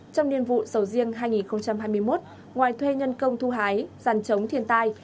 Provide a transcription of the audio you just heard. trong niên vụ sầu riêng hai nghìn hai mươi một ngoài thuê nhân công thu hái dàn chống thiên tai